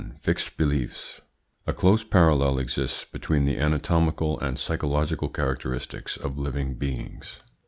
FIXED BELIEFS A close parallel exists between the anatomical and psychological characteristics of living beings.